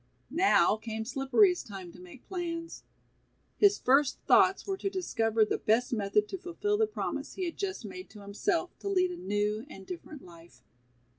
Now came Slippery's time to make plans. His first thoughts were to discover the best method to fullfil the promise he had just made to himself to lead a new and different life.